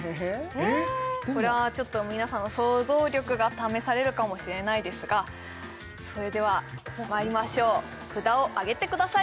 これは皆さんの想像力が試されるかもしれないですがそれではまいりましょう札を上げてください